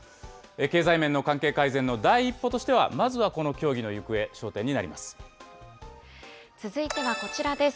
経済面の関係改善の第一歩としては、まずはこの協議の行方、焦点続いてはこちらです。